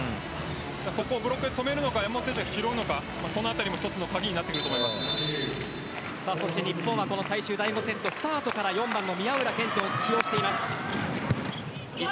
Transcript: ここをブロックで止めるのか山本選手が拾うのかこのあたりも日本は最終第５セットスタートから４番の宮浦健人を起用しています。